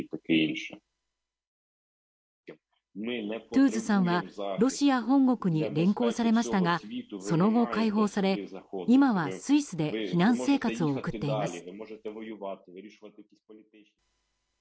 トゥーズさんはロシア本国に連行されましたがその後、解放され、今はスイスで避難生活を送っています。